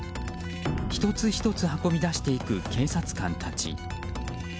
１つ１つ運び出していく警察官たち。